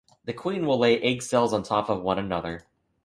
The queen will lay egg cells on top of one another.